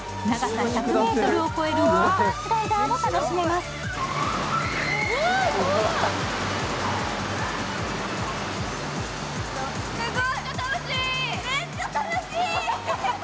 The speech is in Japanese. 長さ１００ｍを超えるウォータースライダーもすごい！